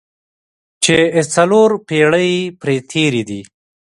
چې څلور پېړۍ پرې تېرې دي.